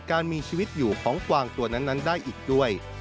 การมีชีวิตอยู่ของกวางตัวนั้นได้อีกด้วย